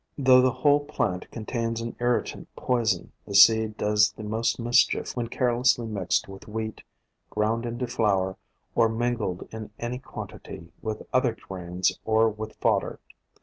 Though the whole plant contains an irritant poison, the seed does the most mischief when care lessly mixed with wheat, ground into flour or min gled in any quantity with other grains or with fod der.